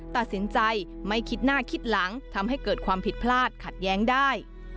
ตัดสินใจไม่คิดหน้าคิดหลังทำให้เกิดความผิดพลาดขัดแย้งได้